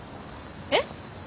えっ？